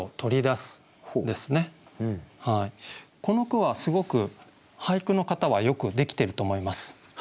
この句はすごく俳句の型はよくできてると思います。